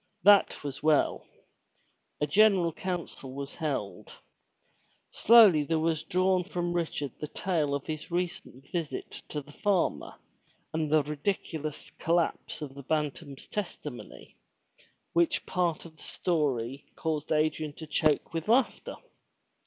That was well. A general council was held. Slowly there was drawn from Richard the tale of his recent visit to the farmer and the ridiculous collapse of the Bantam's testimony, which part of the story caused Adrian to choke with laughter.